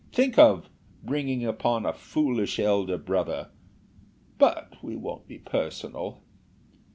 Think of, bringing upon a foolish elder brother But we won't be personal."